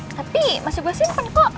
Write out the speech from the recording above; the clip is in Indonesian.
tapi masih gue simpen kok